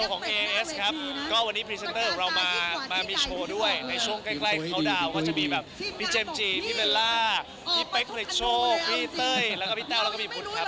ก็วันนี้พรีเซนเตอร์เรามามีโชว์ด้วยในช่วงใกล้เข้าดาวมันก็จะมีพี่เจมส์จีพี่เมล่าพี่เป๊กเฮล็ดโชว์พี่เต้ยแล้วก็พี่เต้าแล้วก็พี่พุทธครับ